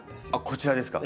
こちらですか？